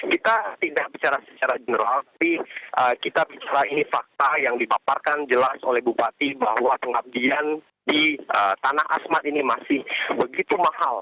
kita tidak bicara secara general tapi kita bicara ini fakta yang dipaparkan jelas oleh bupati bahwa pengabdian di tanah asmat ini masih begitu mahal